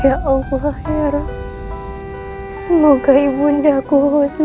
ya allah ya allah semoga ibu nanda qhausnel khotsal